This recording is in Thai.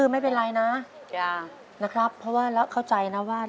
ไม่เป็นไรนะนะครับเพราะว่าแล้วเข้าใจนะว่า